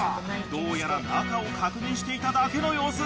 どうやら中を確認していただけの様子。